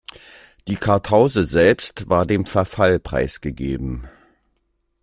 Die Kartause selbst war dem Verfall preisgegeben.